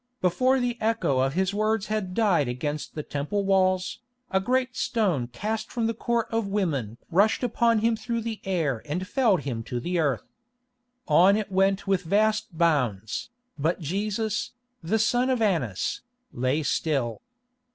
Before the echo of his words had died against the Temple walls, a great stone cast from the Court of Women rushed upon him through the air and felled him to the earth. On it went with vast bounds, but Jesus, the son of Annas, lay still.